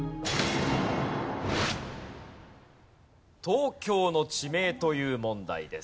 東京の地名という問題です。